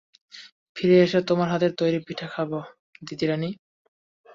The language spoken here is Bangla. ফিরে এসে তোমার হাতের তৈরি পিঠে খাব দিদিরানী।